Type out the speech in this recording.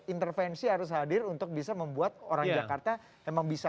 intervensi harus hadir untuk bisa membuat orang jakarta memang bisa